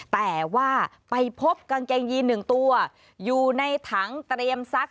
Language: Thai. แต่ว่าไปพบกางเกงยีนหนึ่งตัวอยู่ในถังเตรียมซัก